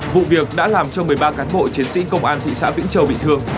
vụ việc đã làm cho một mươi ba cán bộ chiến sĩ công an thị xã vĩnh châu bị thương